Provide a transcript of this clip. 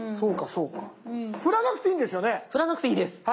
振らなくていいんですよね？